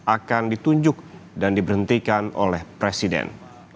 akan ditunjuk dan diberhentikan oleh presiden